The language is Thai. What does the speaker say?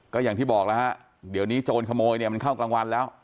ก็อย่างที่บอกแล้วฮะเดี๋ยวนี้โจรขโมยเนี่ยมันเข้ากลางวันแล้ว